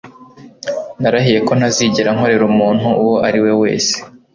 Narahiye ko ntazigera nkorera umuntu uwo ari we wese.